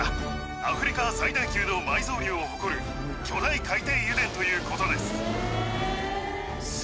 アフリカ最大級の埋蔵量を誇る巨大海底油田ということです。